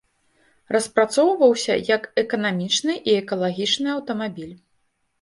Распрацоўваўся як эканамічны і экалагічны аўтамабіль.